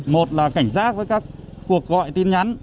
một là cảnh giác với các cuộc gọi tin nhắn